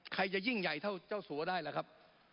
ใครจะยิ่งใหญ่เท่าเจ้าสัวได้ล่ะครับ